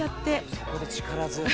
そこで力強く。